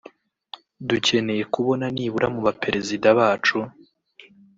dukeneye kubona nibura mu Baperezida bacu